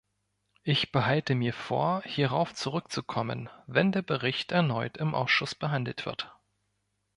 Ich behalte mir vor, hierauf zurückzukommen, wenn der Bericht erneut im Ausschuss behandelt wird.